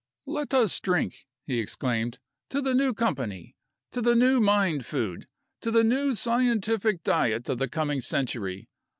"Let us drink," he exclaimed, "to the new company! To the new Mind Food, to the new scientific diet of the coming century!